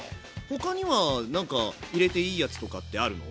他にはなんか入れていいやつとかってあるの？